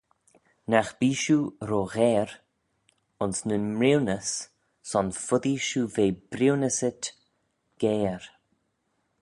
Nagh bee shiu ro gheyre ayns nyn mriwnys son foddee shiu ve briwnysit geyre.